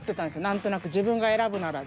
何となく自分が選ぶなら。